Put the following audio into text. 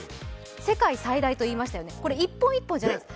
世界最大といいましたよね、これ１本１本じゃないんです。